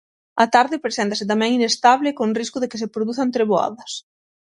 A tarde preséntase tamén inestable con risco de que se produzan treboadas.